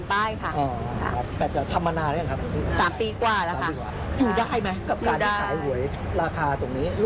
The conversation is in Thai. คือถ้าชุด๑๕ใบเราก็ขายราคาทั้งหมด